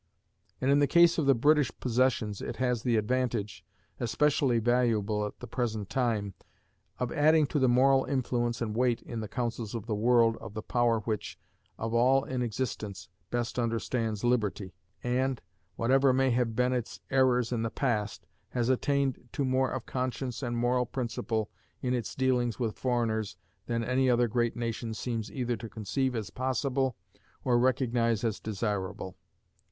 And in the case of the British possessions it has the advantage, especially valuable at the present time, of adding to the moral influence and weight in the councils of the world of the power which, of all in existence, best understands liberty and, whatever may have been its errors in the past, has attained to more of conscience and moral principle in its dealings with foreigners than any other great nation seems either to conceive as possible or recognize as desirable.